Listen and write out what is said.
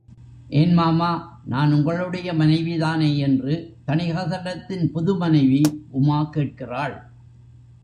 ஏன் மாமா, நான் உங்களுடைய மனைவிதானே? என்று தணிகாசலத்தின் புதுமனைவி உமா கேட்கிறாள்.